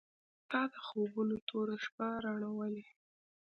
• ته د خوبونو توره شپه روڼولې.